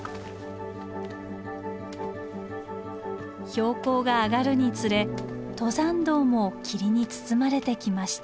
標高が上がるにつれ登山道も霧に包まれてきました。